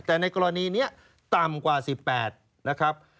แต่ในกรณีนี้ต่ำกว่า๑๘นะครับ